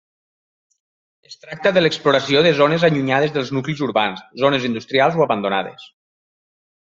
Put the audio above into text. Es tracta de l'exploració de zones allunyades dels nuclis urbans, zones industrials, o abandonades.